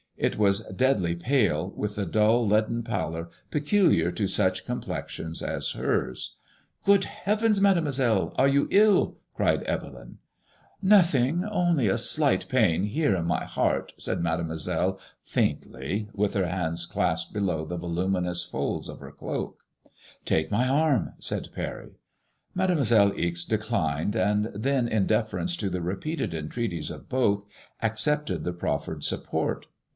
It was deadly pale, with the dull leaden palor pecu liar to such complexions as hers. '^ Good heavens! Mademoiselle, are you ill ?" cried Evelyn. Its MADKlfOISSLLB IXK. ''Nothing; only a slight pain here, in my heart/' said Made moiselle, faintly, with her hands clasped below the voluminous folds of her cloak. •* Take my arm," said Parry, Mademoiselle Ixe declined, and then, in deference to the repeated entreaties of both, accepted the proffered support.